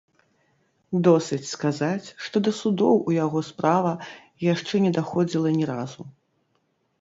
Досыць сказаць, што да судоў у яго справа яшчэ не даходзіла ні разу.